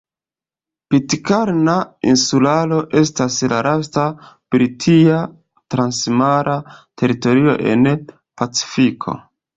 Pitkarna Insularo estas la lasta britia transmara teritorio en Pacifiko.